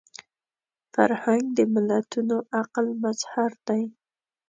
فرهنګ د ملتونو عقل مظهر دی